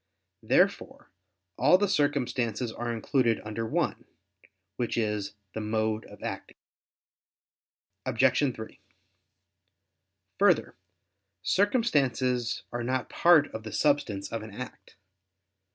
Therefore all the circumstances are included under one, which is the "mode of acting." Obj. 3: Further, circumstances are not part of the substance of an act.